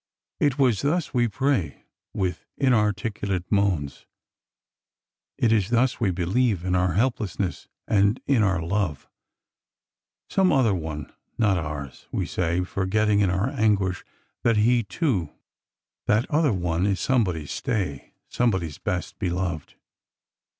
It is thus we pray, with inarticulate moans. It is thus we believe, in our helplessness and in our love. Some other one, not ours! we say, forgetting, in our anguish, ^^OH, SISTER PHOEBE! 199 that he, too,— that other one— is somebody's stay, some body's best beloved.